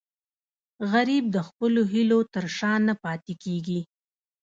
غریب د خپلو هیلو تر شا نه پاتې کېږي